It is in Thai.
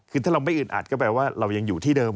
คือถ้าเราไม่อึดอัดก็แปลว่าเรายังอยู่ที่เดิม